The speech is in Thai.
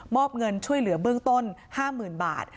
อบเงินช่วยเหลือเบื้องต้น๕๐๐๐บาท